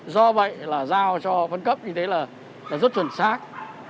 do vậy là giao cho phân cấp như thế là rất chuẩn xác